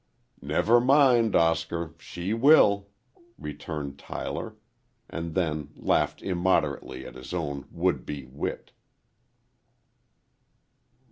"Never mind, Oscar, she will!" returned Tyler, and then laughed immoderately at his own would be wit.